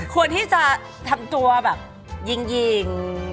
ควรที่จะทำตัวแบบหญิง